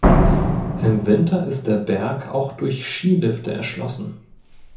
Im Winter ist der Berg auch durch Skilifte erschlossen.